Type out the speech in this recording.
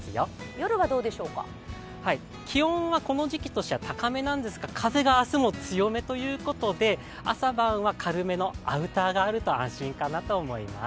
夜は、気温はこの時期としては高めなんですが、風が明日も強めということで朝晩は軽めのアウターがあると安心かなと思います。